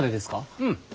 うん。